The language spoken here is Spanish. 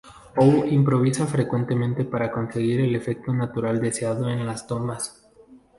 Hou improvisa frecuentemente para conseguir el efecto natural deseado en las tomas.